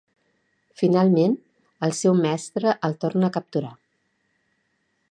Finalment, el seu mestre el torna a capturar.